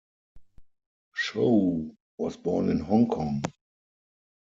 Shou was born in Hong Kong.